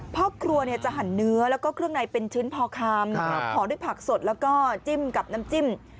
พ่อครัวจะหั่นเนื้อแล้วก็เครื่องในเป็นชิ้นพอคำห่อด้วยผักสดแล้วก็จิ้มกับน้ำจิ้ม